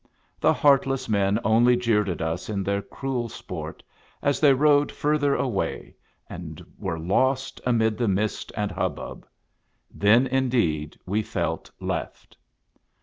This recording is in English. The heartless men only jeered at us in their cruel sport, as they rowed further away, and were lost amid the mist and hubbub. Then indeed we felt left.